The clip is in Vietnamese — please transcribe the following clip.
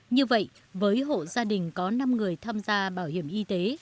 như vậy với hộ gia đình có năm người tham gia bảo hiểm y tế